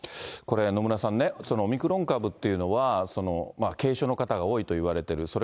これ、野村さんね、オミクロン株というのは軽症の方が多いといわれてる。